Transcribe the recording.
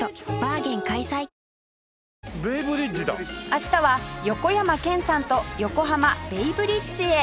明日は横山剣さんと横浜ベイブリッジへ